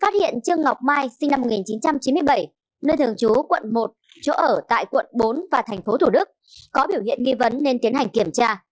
phát hiện trương ngọc mai sinh năm một nghìn chín trăm chín mươi bảy nơi thường trú quận một chỗ ở tại quận bốn và tp thủ đức có biểu hiện nghi vấn nên tiến hành kiểm tra